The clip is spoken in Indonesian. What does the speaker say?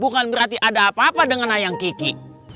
bukan berarti ada apa apa dengan ayah kiki